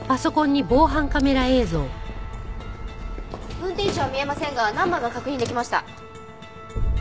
運転手は見えませんがナンバーが確認できました。